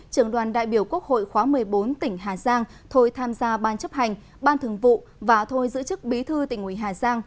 trưởng đoàn đại biểu quốc hội khóa một mươi bốn tỉnh hà giang thôi tham gia ban chấp hành ban thường vụ và thôi giữ chức bí thư tỉnh ủy hà giang